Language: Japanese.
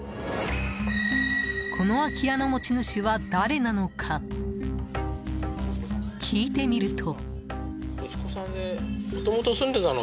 この空き家の持ち主は誰なのか聞いてみると。